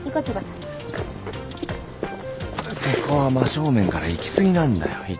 瀬古は真正面から行き過ぎなんだよ